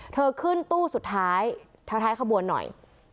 เธอขึ้นตู้สุดท้ายท้ายขบวนหน่อย